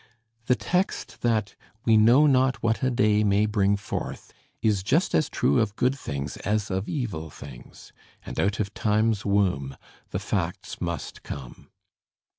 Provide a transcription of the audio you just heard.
The text, that we know not what a day may bring forth, is just as true of good things as of evil things; and out of Time's womb the facts must come.